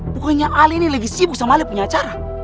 pokoknya ali ini lagi sibuk sama ali punya acara